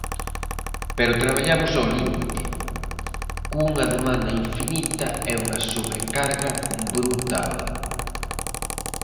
"Pero traballamos ao límite, cunha demanda infinita e unha sobrecarga brutal".